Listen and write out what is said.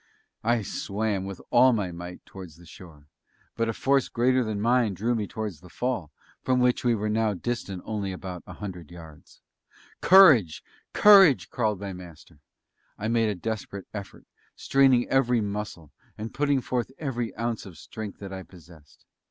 I swam with all my might towards the shore; but a force greater than mine drew me towards the fall, from which we were now distant only about a hundred yards. "Courage! courage!" called my Master. I made a desperate effort, straining every muscle, and putting forth every ounce of strength that I possessed.